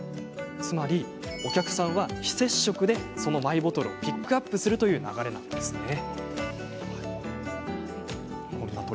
お客さんは非接触でそのマイボトルをピックアップするという流れなんです。